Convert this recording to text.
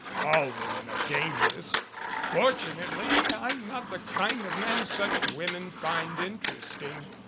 "All women are dangerous. Fortunately I'm not the kind of man such women find interesting."